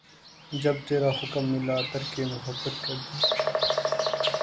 جب ترا حکم ملا ترک محبت کر دی